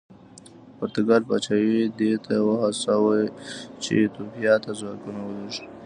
پرتګال پاچا یې دې ته وهڅاوه چې ایتوپیا ته ځواکونه ولېږي.